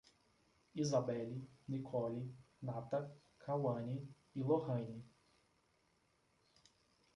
Izabeli, Nicolle, Nata, Cauani e Lorrany